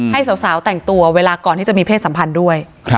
ให้สาวแต่งตัวเวลาก่อนที่จะมีเพศสัมพันธ์ด้วย